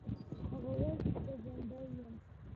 هغه وویل چې زه ژوندی یم.